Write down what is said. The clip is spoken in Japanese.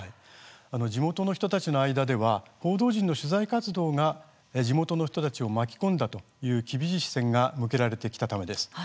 地元の人たちの間では報道陣の取材活動が地元の人たちを巻き込んだという厳しい視線が向けられてきたためです。